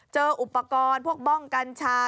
เจออุปกรณ์พวกบ้องกัญชา